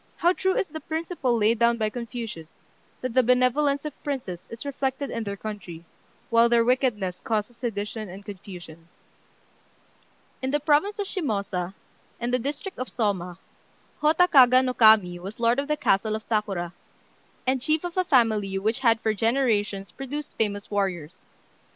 ] How true is the principle laid down by Confucius, that the benevolence of princes is reflected in their country, while their wickedness causes sedition and confusion! [Illustration: THE GHOST OF SAKURA.] In the province of Shimôsa, and the district of Sôma, Hotta Kaga no Kami was lord of the castle of Sakura, and chief of a family which had for generations produced famous warriors.